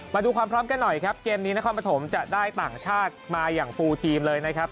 มาดูความพร้อมกันหน่อยครับเกมนี้นครปฐมจะได้ต่างชาติมาอย่างฟูลทีมเลยนะครับ